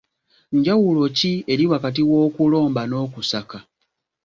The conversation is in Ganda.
Njawulo ki eri wakati w’okulomba n'okusaka?